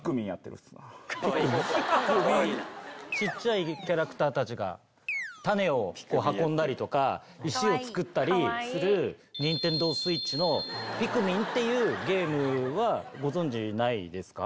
小っちゃいキャラクターたちが種を運んだりとか石を作ったりするＮｉｎｔｅｎｄｏＳｗｉｔｃｈの『ピクミン』っていうゲームはご存じないですか？